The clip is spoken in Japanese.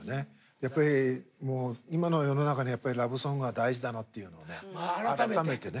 やっぱりもう今の世の中にラブソングは大事だなっていうのをね改めてね。